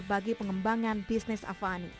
bagi pengembangan bisnis avani